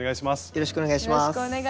よろしくお願いします。